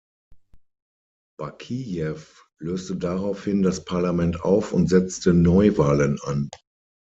Bakijew löste daraufhin das Parlament auf und setzte Neuwahlen an.